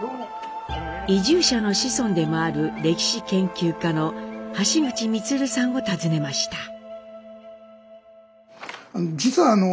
移住者の子孫でもある歴史研究家の橋口満さんを訪ねました。